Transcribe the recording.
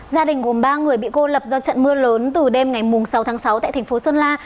gia đình gồm ba người bị cô lập do trận mưa lớn từ đêm ngày sáu tháng sáu tại thành phố sơn la